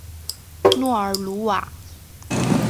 诺尔鲁瓦。